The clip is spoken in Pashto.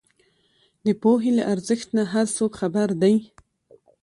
د پوهې له ارزښت نۀ هر څوک خبر دی